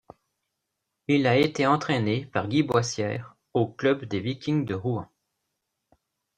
Il a été entrainé par Guy Boissière au Club des Vikings de Rouen.